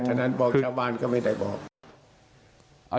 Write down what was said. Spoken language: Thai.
ฉะนั้นบอกชาวบ้านก็ไม่ได้บอก